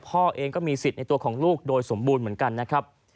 พ่อเองก็มีสิทธิ์ในตัวของลูกโดยสมบูรณ์เหมือนกันนะครับ